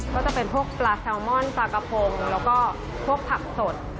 ก็จะเป็นพวกปลาแซลมอนปลากระพงแล้วก็พวกผักสด